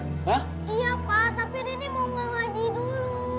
iya pak tapi rini mau mengajih dulu